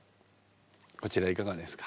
こちらいかがですか？